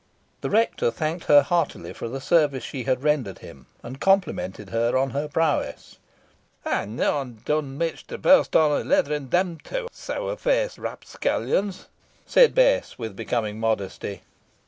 The rector thanked her heartily for the service she had rendered him, and complimented her on her prowess. "Ey'n neaw dun mitch to boast on i' leatherin' them two seawr feaced rapscallions," said Bess, with becoming modesty.